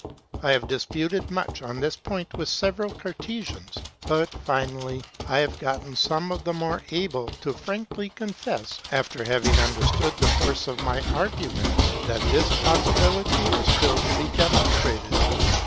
I have disputed much on this point with several Cartesians, but, finally, I have gotten some of the more able to frankly confess, after having understood the force of my arguments, that this possibility was still to be demonstrated.